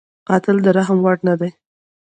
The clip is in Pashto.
قاتل د رحم وړ نه دی